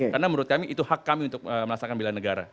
karena menurut kami itu hak kami untuk melaksanakan bela negara